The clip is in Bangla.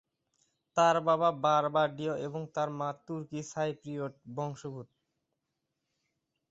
তার বাবা বার্বাডীয় এবং তার মা তুর্কি সাইপ্রিয়ট বংশোদ্ভূত।